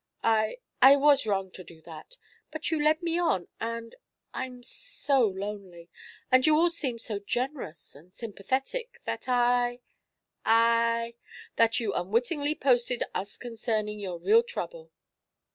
"I I was wrong to do that. But you led me on and I'm so lonely and you all seemed so generous and sympathetic that I I " "That you unwittingly posted us concerning your real trouble.